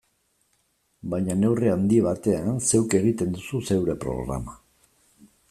Baina neurri handi batean, zeuk egiten duzu zeure programa.